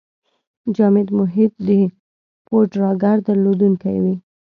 جامد محیط د پوډراګر درلودونکی وي.